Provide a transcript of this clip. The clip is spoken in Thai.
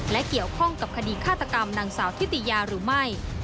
และเกี่ยวข้องกับคดีฆาตกรรมนางสาวทิติยาหรือไม่